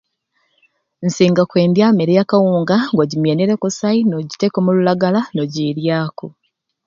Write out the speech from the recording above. Nsinga kwendya mmere ya kawunga nga ogimienere kusai n'ogiteeka omululagala n'ogiiryaku.